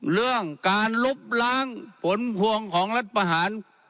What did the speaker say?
เรื่องการลบล้างผลพวงของรัฐประหาร